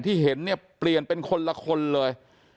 ที่เห็นเนี่ยเปลี่ยนเป็นคนละคนเลย